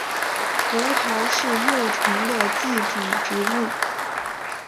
胡桃是幼虫的寄主植物。